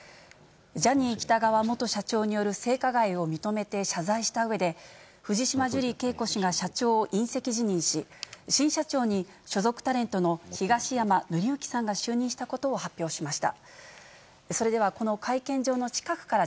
ジャニー喜多川元社長による性加害を認めて謝罪したうえで、藤島ジュリー景子が社長を引責辞任し、新社長に所属タレントの東山紀之さんが就任したことを発表しました。